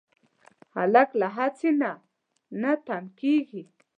هلک له هڅې نه نه تم کېږي.